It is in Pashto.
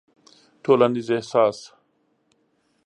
ټولنيز احساس